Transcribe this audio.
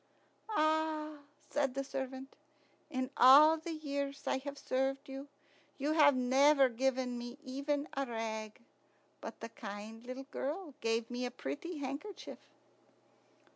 "Ah!" said the servant, "in all the years I've served you, you have never given me even a rag; but the kind little girl gave me a pretty handkerchief."